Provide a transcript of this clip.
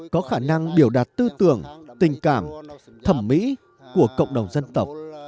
có khả năng biểu đạt tư tưởng tình cảm thẩm mỹ của cộng đồng dân tộc